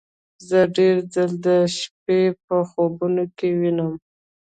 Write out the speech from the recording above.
زه ډیر ځله د شپې په خوبونو کې وینم